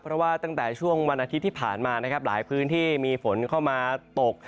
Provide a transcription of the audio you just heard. เพราะว่าตั้งแต่ช่วงวันอาทิตย์ที่ผ่านมานะครับหลายพื้นที่มีฝนเข้ามาตก